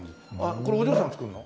これお嬢さんが作るの？